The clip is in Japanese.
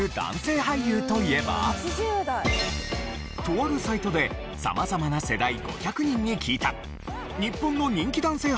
とあるサイトで様々な世代５００人に聞いた日本の人気男性